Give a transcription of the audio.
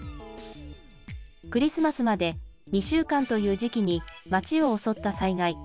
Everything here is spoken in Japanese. クリスマスまで２週間という時期に、街を襲った災害。